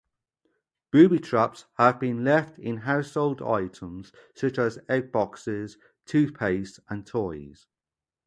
Booby-traps have been left in household items such as egg boxes, toothpaste and toys.